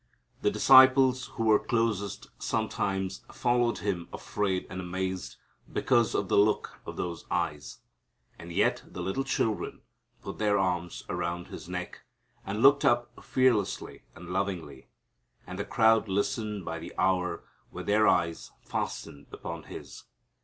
The disciples who were closest sometimes followed him afraid and amazed because of the look of those eyes. And yet the little children put their arms around His neck, and looked up fearlessly and lovingly. And the crowd listened by the hour with their eyes fastened upon His.